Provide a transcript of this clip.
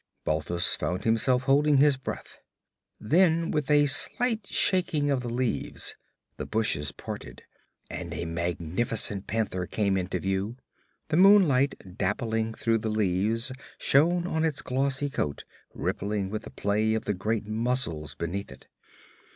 Balthus found himself holding his breath. Then with a slight shaking of the leaves, the bushes parted and a magnificent panther came into view. The moonlight dappling through the leaves shone on its glossy coat rippling with the play of the great muscles beneath it.